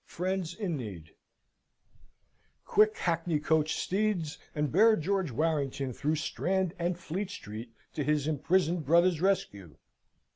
Friends in Need Quick, hackneycoach steeds, and bear George Warrington through Strand and Fleet Street to his imprisoned brother's rescue!